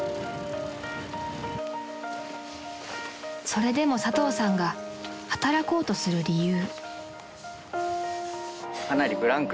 ［それでも佐藤さんが働こうとする理由］